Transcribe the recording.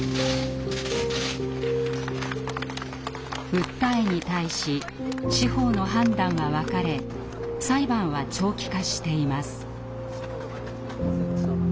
訴えに対し司法の判断は分かれ裁判は長期化しています。